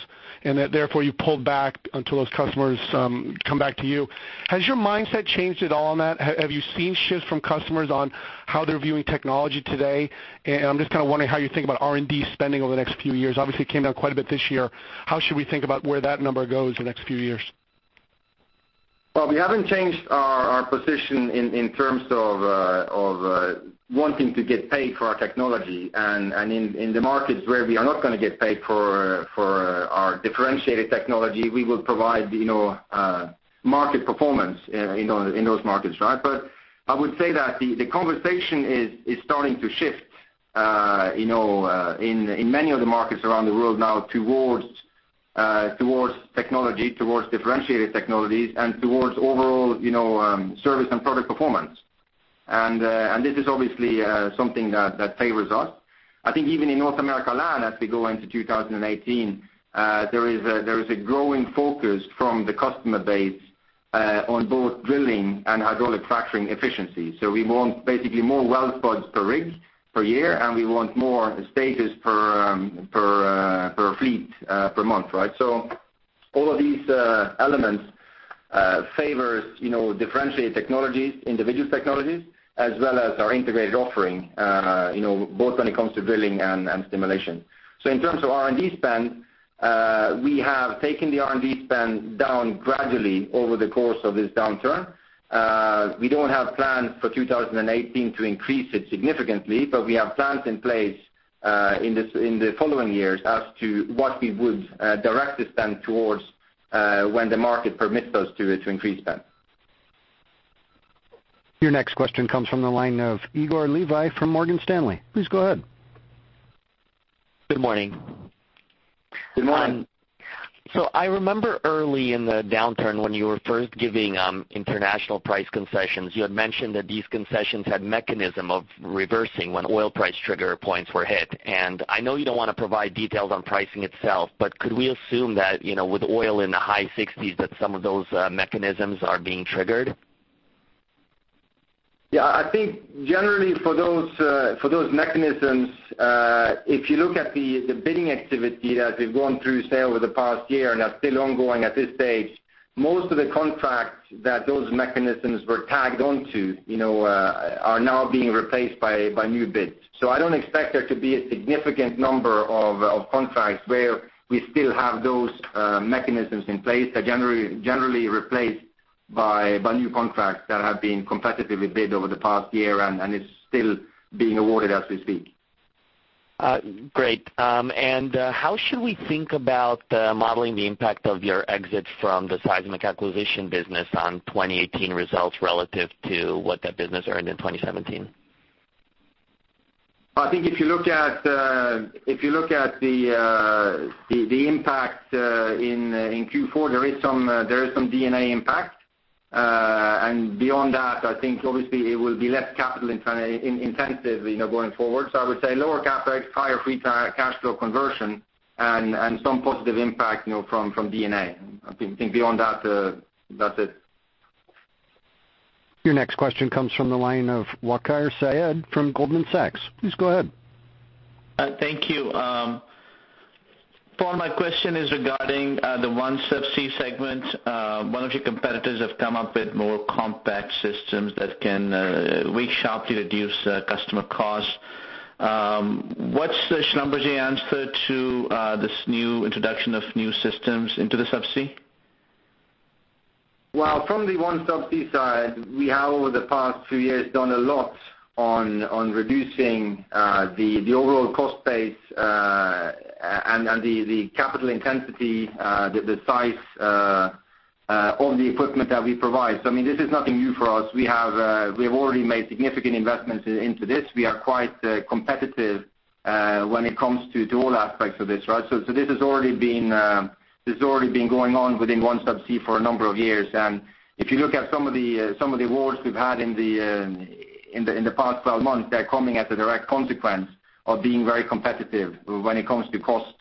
Speaker 12: and that therefore you pulled back until those customers come back to you. Has your mindset changed at all on that? Have you seen shifts from customers on how they're viewing technology today? And I'm just kind of wondering how you think about R&D spending over the next few years. It came down quite a bit this year. How should we think about where that number goes the next few years?
Speaker 5: Well, we haven't changed our position in terms of wanting to get paid for our technology. In the markets where we are not going to get paid for our differentiated technology, we will provide market performance in those markets, right? I would say that the conversation is starting to shift in many of the markets around the world now towards technology, towards differentiated technologies, and towards overall service and product performance. This is obviously something that favors us. I think even in North America land, as we go into 2018, there is a growing focus from the customer base on both drilling and hydraulic fracturing efficiency. We want basically more wells spud per rig per year, and we want more stages per fleet per month, right? All of these elements favor differentiated technologies, individual technologies, as well as our integrated offering both when it comes to drilling and stimulation. In terms of R&D spend, we have taken the R&D spend down gradually over the course of this downturn. We don't have plans for 2018 to increase it significantly, but we have plans in place in the following years as to what we would direct the spend towards when the market permits us to increase spend.
Speaker 1: Your next question comes from the line of Igor Levi from Morgan Stanley. Please go ahead.
Speaker 13: Good morning.
Speaker 5: Good morning.
Speaker 13: I remember early in the downturn when you were first giving international price concessions, you had mentioned that these concessions had mechanism of reversing when oil price trigger points were hit. I know you don't want to provide details on pricing itself, but could we assume that with oil in the high 60s, that some of those mechanisms are being triggered?
Speaker 5: Yeah, I think generally for those mechanisms, if you look at the bidding activity that we've gone through, say, over the past year and are still ongoing at this stage, most of the contracts that those mechanisms were tagged onto are now being replaced by new bids. I don't expect there to be a significant number of contracts where we still have those mechanisms in place. They're generally replaced by new contracts that have been competitively bid over the past year and is still being awarded as we speak.
Speaker 13: Great. How should we think about modeling the impact of your exit from the seismic acquisition business on 2018 results relative to what that business earned in 2017?
Speaker 5: I think if you look at the impact in Q4, there is some D&A impact. Beyond that, I think obviously it will be less capital-intensive going forward. I would say lower CapEx, higher free cash flow conversion, and some positive impact from D&A. I think beyond that's it.
Speaker 1: Your next question comes from the line of Waqar Syed from Goldman Sachs. Please go ahead.
Speaker 14: Thank you. Paal, my question is regarding the OneSubsea segment. One of your competitors have come up with more compact systems that can sharply reduce customer costs. What's the Schlumberger answer to this new introduction of new systems into the subsea?
Speaker 5: Well, from the OneSubsea side, we have, over the past few years, done a lot on reducing the overall cost base and the capital intensity, the size of the equipment that we provide. I mean, this is nothing new for us. We have already made significant investments into this. We are quite competitive when it comes to all aspects of this, right? This has already been going on within OneSubsea for a number of years. If you look at some of the awards we've had in the past 12 months, they're coming as a direct consequence of being very competitive when it comes to cost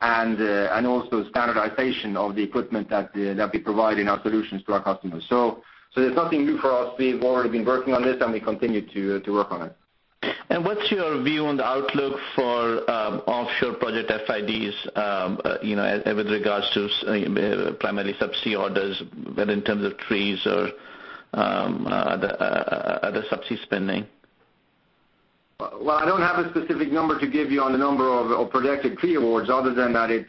Speaker 5: and also standardization of the equipment that we provide in our solutions to our customers. It's nothing new for us. We've already been working on this, and we continue to work on it.
Speaker 14: What's your view on the outlook for offshore project FIDs with regards to primarily Subsea orders, but in terms of trees or other Subsea spending?
Speaker 5: Well, I don't have a specific number to give you on the number of projected tree awards other than that it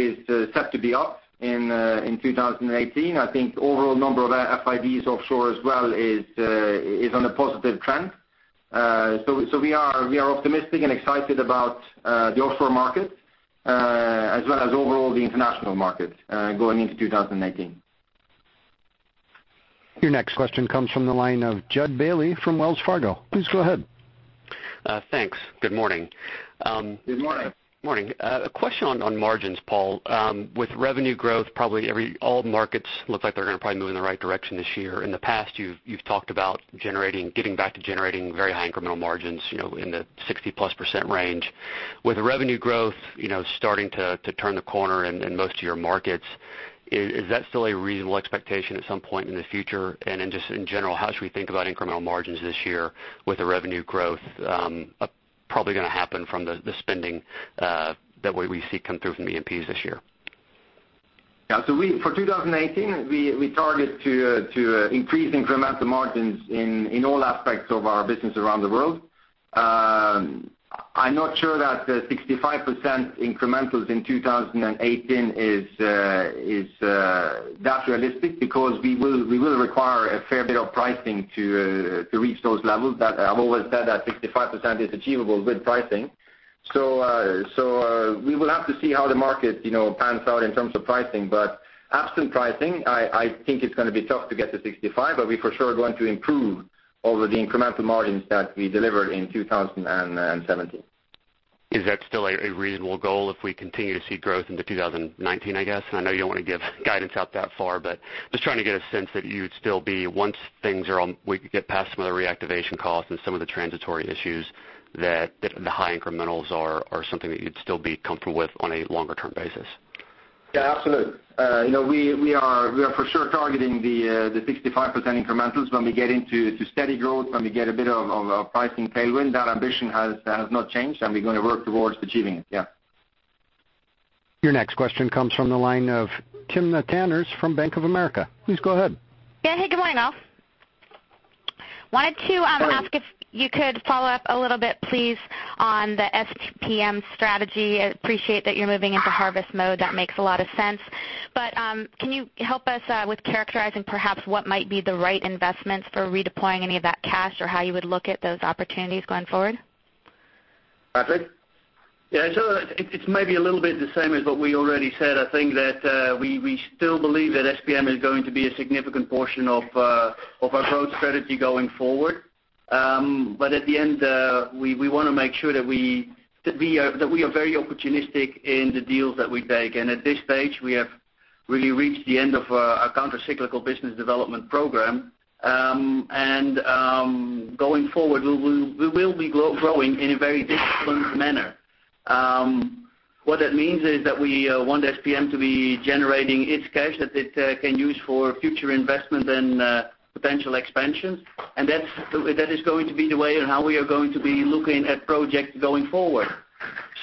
Speaker 5: is set to be up in 2018. I think overall number of FIDs offshore as well is on a positive trend. We are optimistic and excited about the offshore market, as well as overall the international market going into 2019.
Speaker 1: Your next question comes from the line of Jud Bailey from Wells Fargo. Please go ahead.
Speaker 15: Thanks. Good morning.
Speaker 5: Good morning.
Speaker 15: Morning. A question on margins, Paal. With revenue growth, probably all markets look like they're going to probably move in the right direction this year. In the past, you've talked about getting back to generating very high incremental margins, in the 60%-plus range. With the revenue growth starting to turn the corner in most of your markets, is that still a reasonable expectation at some point in the future? Just in general, how should we think about incremental margins this year with the revenue growth probably going to happen from the spending that we see come through from E&Ps this year?
Speaker 5: For 2018, we target to increase incremental margins in all aspects of our business around the world. I'm not sure that 65% incrementals in 2018 is that realistic because we will require a fair bit of pricing to reach those levels, but I've always said that 65% is achievable with pricing. We will have to see how the market pans out in terms of pricing. Absent pricing, I think it's going to be tough to get to 65%, but we for sure are going to improve over the incremental margins that we delivered in 2017.
Speaker 15: Is that still a reasonable goal if we continue to see growth into 2019, I guess? I know you don't want to give guidance out that far, but just trying to get a sense that you would still be, once we get past some of the reactivation costs and some of the transitory issues, that the high incrementals are something that you'd still be comfortable with on a longer-term basis.
Speaker 5: Yeah, absolutely. We are for sure targeting the 65% incrementals when we get into steady growth, when we get a bit of a pricing tailwind. That ambition has not changed, and we're going to work towards achieving it. Yeah.
Speaker 1: Your next question comes from the line of Timna Tanners from Bank of America. Please go ahead.
Speaker 16: Yeah. Hey, good morning, all. Wanted to ask if you could follow up a little bit, please, on the SPM strategy. I appreciate that you're moving into harvest mode. That makes a lot of sense. Can you help us with characterizing perhaps what might be the right investments for redeploying any of that cash, or how you would look at those opportunities going forward?
Speaker 5: Patrick?
Speaker 4: Yeah. So it's maybe a little bit the same as what we already said. I think that we still believe that SPM is going to be a significant portion of our growth strategy going forward. At the end, we want to make sure that we are very opportunistic in the deals that we take. At this stage, we have really reached the end of our countercyclical business development program. Going forward, we will be growing in a very disciplined manner. What that means is that we want SPM to be generating its cash that it can use for future investment and potential expansion. That is going to be the way on how we are going to be looking at projects going forward.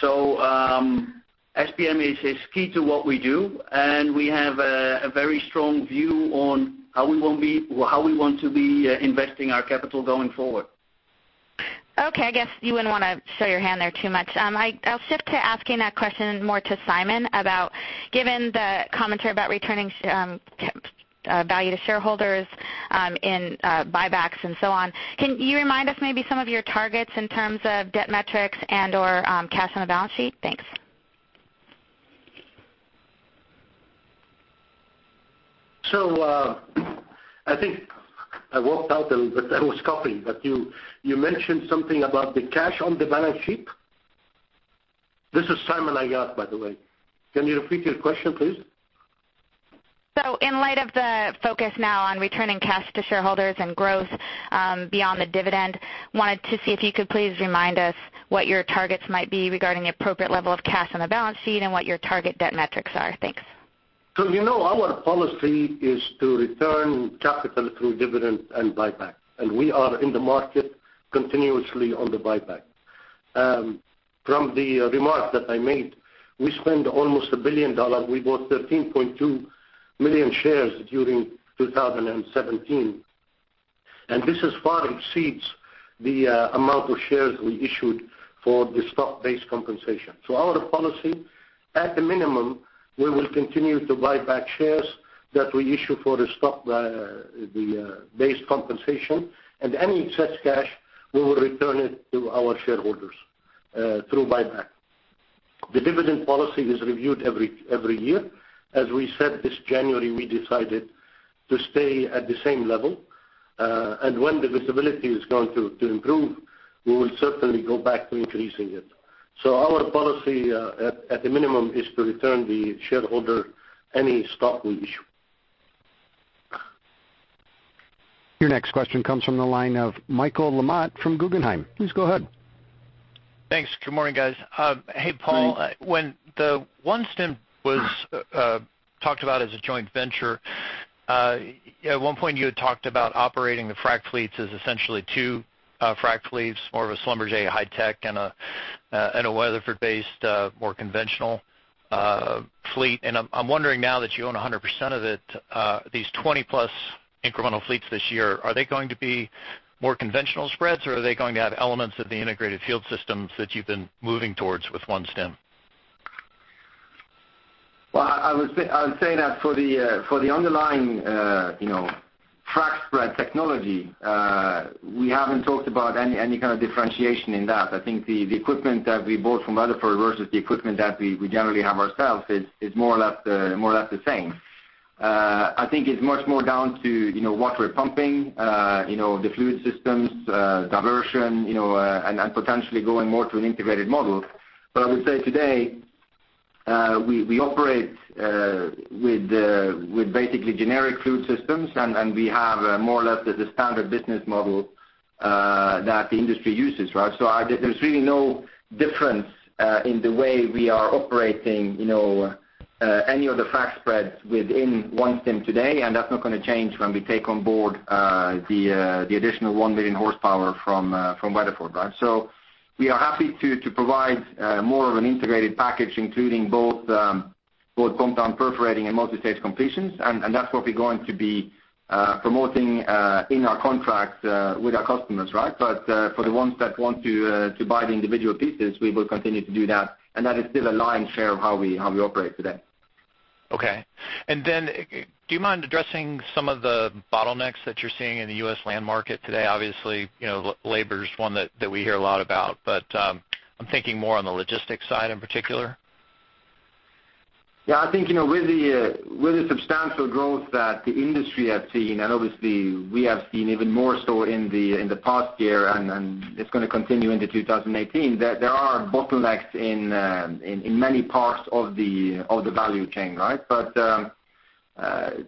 Speaker 4: SPM is key to what we do, and we have a very strong view on how we want to be investing our capital going forward.
Speaker 16: Okay. I guess you wouldn't want to show your hand there too much. I'll shift to asking that question more to Simon about, given the commentary about returning value to shareholders in buybacks and so on, can you remind us maybe some of your targets in terms of debt metrics and/or cash on the balance sheet? Thanks.
Speaker 3: I think I walked out, but I was coughing. You mentioned something about the cash on the balance sheet. This is Simon, by the way. Can you repeat your question, please?
Speaker 16: In light of the focus now on returning cash to shareholders and growth beyond the dividend, wanted to see if you could please remind us what your targets might be regarding the appropriate level of cash on the balance sheet and what your target debt metrics are. Thanks.
Speaker 3: You know our policy is to return capital through dividends and buyback, we are in the market continuously on the buyback. From the remark that I made, we spent almost $1 billion. We bought 13.2 million shares during 2017, this far exceeds the amount of shares we issued for the stock-based compensation. Our policy, at the minimum, we will continue to buy back shares that we issue for the stock-based compensation, any such cash, we will return it to our shareholders through buyback. The dividend policy is reviewed every year. As we said this January, we decided to stay at the same level. When the visibility is going to improve, we will certainly go back to increasing it. Our policy, at the minimum, is to return the shareholder any stock we issue.
Speaker 1: Your next question comes from the line of Michael LaMotte from Guggenheim. Please go ahead.
Speaker 17: Thanks. Good morning, guys.
Speaker 5: Good morning.
Speaker 17: Hey, Paal. When the OneStim was talked about as a joint venture, at one point you had talked about operating the frac fleets as essentially two frac fleets, more of a Schlumberger high tech and a Weatherford-based more conventional fleet. I'm wondering now that you own 100% of it, these 20+ incremental fleets this year, are they going to be more conventional spreads, or are they going to have elements of the integrated field systems that you've been moving towards with OneStim?
Speaker 5: Well, I would say that for the underlying frac spread technology, we haven't talked about any kind of differentiation in that. I think the equipment that we bought from Weatherford versus the equipment that we generally have ourselves is more or less the same. I think it's much more down to what we're pumping, the fluid systems, diversion, and potentially going more to an integrated model. I would say today, we operate with basically generic fluid systems, and we have more or less the standard business model that the industry uses, right? There's really no difference in the way we are operating any of the frac spreads within OneStim today, and that's not going to change when we take on board the additional 1 million horsepower from Weatherford. We are happy to provide more of an integrated package, including both pump down perforating and multi-stage completions, and that's what we're going to be promoting in our contracts with our customers, right? For the ones that want to buy the individual pieces, we will continue to do that, and that is still a lion's share of how we operate today.
Speaker 17: Do you mind addressing some of the bottlenecks that you're seeing in the U.S. land market today? Obviously, labor is one that we hear a lot about, but I'm thinking more on the logistics side in particular.
Speaker 5: Yeah, I think, with the substantial growth that the industry has seen, and obviously we have seen even more so in the past year and it's going to continue into 2018, there are bottlenecks in many parts of the value chain, right?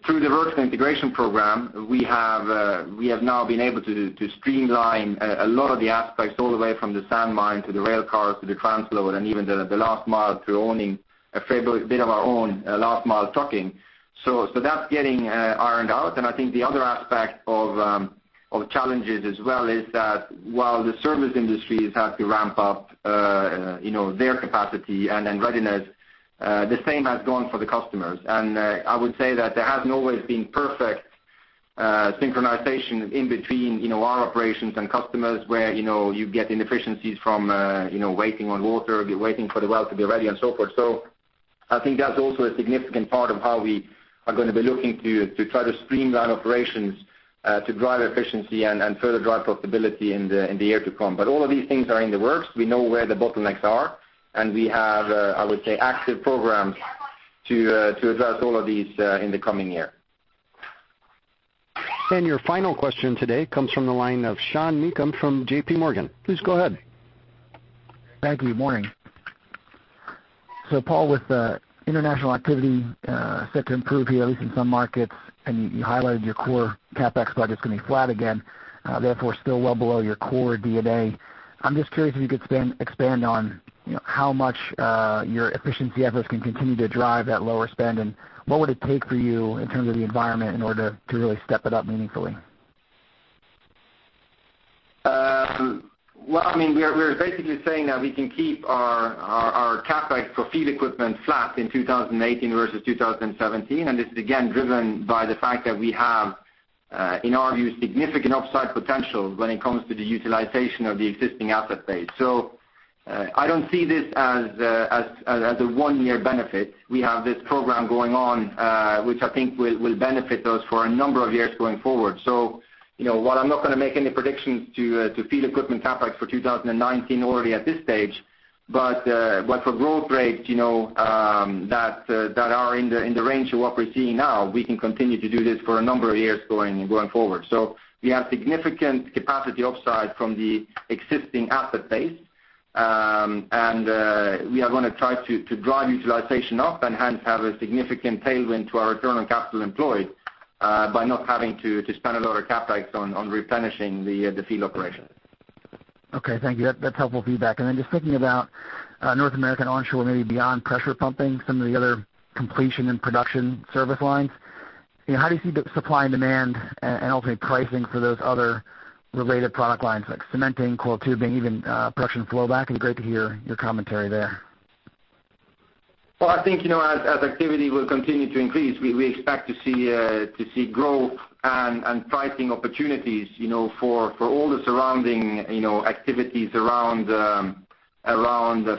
Speaker 5: Through the vertical integration program, we have now been able to streamline a lot of the aspects all the way from the sand mine to the rail cars to the transload, and even the last mile through owning a fair bit of our own last mile trucking. That's getting ironed out. I think the other aspect of challenges as well is that while the service industries have to ramp up their capacity and readiness, the same has gone for the customers. I would say that there hasn't always been perfect synchronization in between our operations and customers, where you get inefficiencies from waiting on water, waiting for the well to be ready, and so forth. I think that's also a significant part of how we are going to be looking to try to streamline operations to drive efficiency and further drive profitability in the year to come. All of these things are in the works. We know where the bottlenecks are, we have, I would say, active programs to address all of these in the coming year.
Speaker 1: Your final question today comes from the line of Sean Meakim from J.P. Morgan. Please go ahead.
Speaker 18: Thank you. Morning. Paal, with the international activity set to improve here, at least in some markets, you highlighted your core CapEx budget's going to be flat again, therefore still well below your core D&A. I'm just curious if you could expand on how much your efficiency efforts can continue to drive that lower spend, what would it take for you in terms of the environment in order to really step it up meaningfully?
Speaker 5: Well, we're basically saying that we can keep our CapEx for field equipment flat in 2018 versus 2017. This is again driven by the fact that we have, in our view, significant upside potential when it comes to the utilization of the existing asset base. I don't see this as a one-year benefit. We have this program going on, which I think will benefit us for a number of years going forward. While I'm not going to make any predictions to field equipment CapEx for 2019 already at this stage, but for growth rates that are in the range of what we're seeing now, we can continue to do this for a number of years going forward. We have significant capacity upside from the existing asset base. We are going to try to drive utilization up and hence have a significant tailwind to our return on capital employed by not having to spend a lot of CapEx on replenishing the field operations.
Speaker 18: Okay, thank you. That's helpful feedback. Then just thinking about North American onshore, maybe beyond pressure pumping, some of the other completion and production service lines, how do you see the supply and demand and ultimately pricing for those other related product lines like cementing, coiled tubing, even production flowback? It would be great to hear your commentary there.
Speaker 5: Well, I think as activity will continue to increase, we expect to see growth and pricing opportunities for all the surrounding activities around the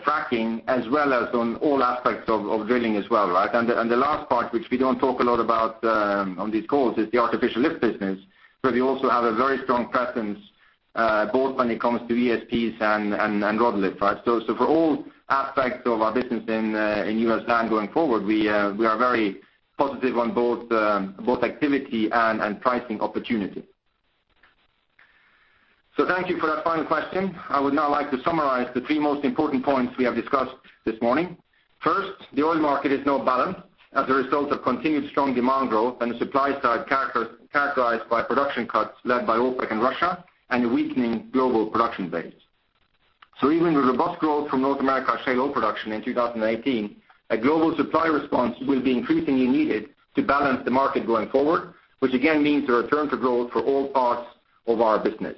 Speaker 5: fracking as well as on all aspects of drilling as well, right? The last part, which we don't talk a lot about on these calls, is the artificial lift business. We also have a very strong presence both when it comes to ESPs and rod lifts, right? For all aspects of our business in U.S. land going forward, we are very positive on both activity and pricing opportunity. Thank you for that final question. I would now like to summarize the three most important points we have discussed this morning. First, the oil market is now balanced as a result of continued strong demand growth and a supply side characterized by production cuts led by OPEC and Russia, and a weakening global production base. Even with robust growth from North America shale oil production in 2018, a global supply response will be increasingly needed to balance the market going forward, which again means a return to growth for all parts of our business.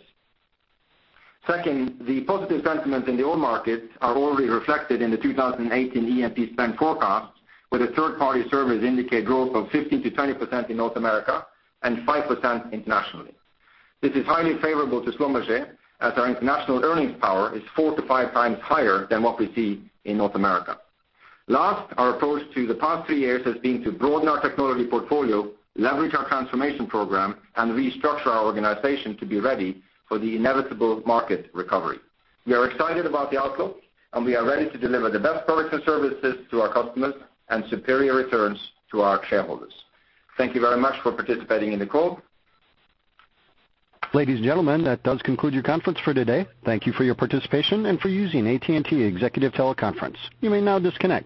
Speaker 5: Second, the positive sentiments in the oil market are already reflected in the 2018 E&P spend forecast, where the third-party surveys indicate growth of 15%-20% in North America and 5% internationally. This is highly favorable to Schlumberger, as our international earnings power is four to five times higher than what we see in North America. Last, our approach to the past three years has been to broaden our technology portfolio, leverage our transformation program, and restructure our organization to be ready for the inevitable market recovery. We are excited about the outlook, and we are ready to deliver the best products and services to our customers and superior returns to our shareholders. Thank you very much for participating in the call.
Speaker 1: Ladies and gentlemen, that does conclude your conference for today. Thank you for your participation and for using AT&T Executive Teleconference. You may now disconnect.